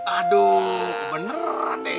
aduh beneran nih